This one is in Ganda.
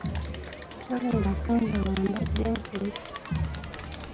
Tobeera kundaba mbadde nkulesse.